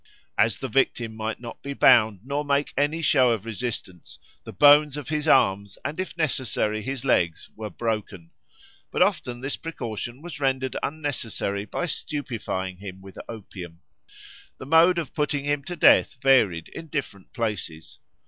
As the victim might not be bound nor make any show of resistance, the bones of his arms and, if necessary, his legs were broken; but often this precaution was rendered unnecessary by stupefying him with opium. The mode of putting him to death varied in different places.